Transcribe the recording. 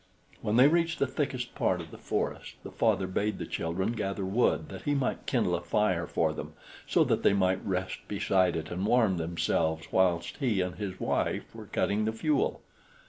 When they reached the thickest part of the forest, the father bade the children gather wood, that he might kindle a fire for them, so that they might rest beside it and warm themselves whilst he and his wife were cutting the fuel.